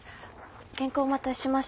原稿お待たせしました。